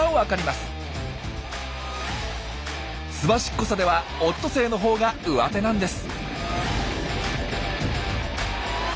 すばしこさではオットセイのほうがうわてなんです。